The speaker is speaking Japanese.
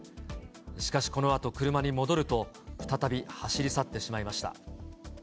しかしこのあと、車に戻ると、再び走り去ってしまいました。